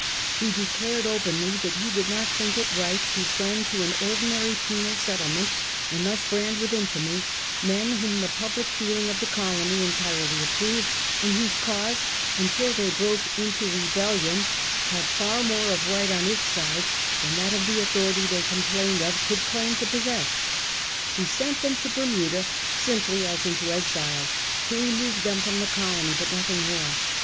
He declared openly that he did not think it right to send to an ordinary penal settle ment, and thus brand with infamy, men whom the public feeling of the colony entirely approved, and whose cause, until they broke into rebellion, had far more of right on its side than that of the authority they complained of could claim to possess. He sent them to Bermuda simply as into exile 5 to remove them from the colony, but nothing more.